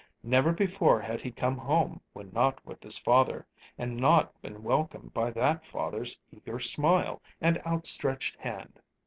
Never before had he come home (when not with his father), and not been welcomed by that father's eager smile and outstretched hand.